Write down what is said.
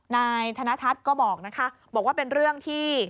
นายธนทัศน์ก็บอกนะคะบอกว่าเป็นเรื่องที่